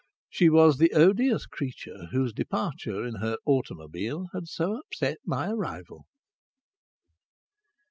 She was the odious creature whose departure in her automobile had so upset my arrival.